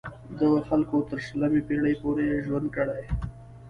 دغو خلکو تر شلمې پیړۍ پورې ژوند کړی.